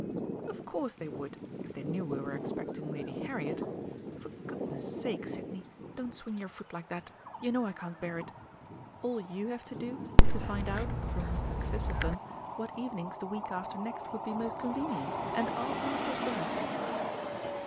"Of course they would, if they knew we were expecting Lady Harriet. For goodness' sake, Sidney, don't swing your foot like that you know I can't bear it. All you have to do is to find out from Mr. Thistleton what evenings the week after next would be most convenient, and I'll undertake the rest!"